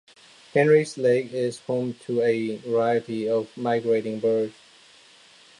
Henrys Lake is home to a variety of migrating birds.